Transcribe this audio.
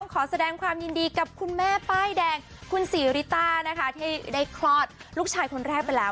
ขอแสดงความยินดีกับคุณแม่ป้ายแดงคุณศรีริต้านะคะที่ได้คลอดลูกชายคนแรกไปแล้ว